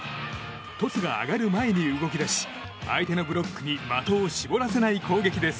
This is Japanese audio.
トスが上がる前に動き出し相手のブロックに的を絞らせない攻撃です。